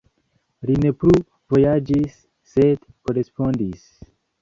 Li ne plu vojaĝis, sed korespondis.“.